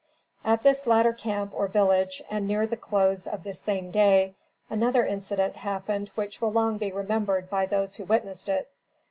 At this latter camp or village, and near the close of this same day, another incident happened which will long be remembered by those who witnessed it.